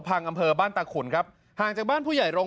อำเภอบ้านตาขุนครับห่างจากบ้านผู้ใหญ่โรง